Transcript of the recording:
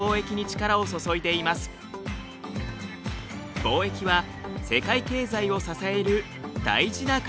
貿易は世界経済を支える大事な活動なのです。